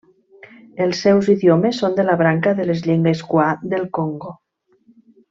Els seus idiomes són de la branca de les llengües kwa del Congo.